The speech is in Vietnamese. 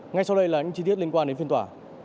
ngay sau đây là những chi tiết liên quan đến phiên tòa